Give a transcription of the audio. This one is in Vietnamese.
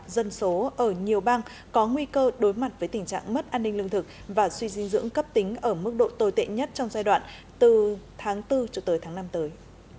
dân số ở nhiều bang có nguy cơ đối mặt với tình trạng mất an ninh lương thực và suy dinh dưỡng cấp tính ở mức độ tồi tệ nhất trong giai đoạn từ tháng bốn cho tới tháng năm tới